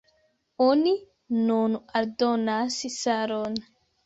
Oni nun aldonas salon.